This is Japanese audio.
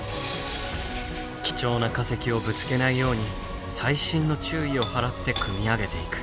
貴重な化石をぶつけないように細心の注意を払って組み上げていく。